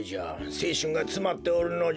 せいしゅんがつまっておるのじゃ。